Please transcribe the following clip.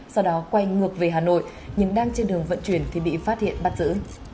sau đó quay ngược về hà nội nhưng đang trên đường vận chuyển thì bị phát hiện bắt giữ